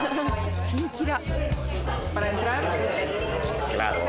キンキラ。